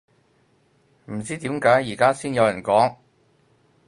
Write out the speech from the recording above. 唔知點解而家先有人講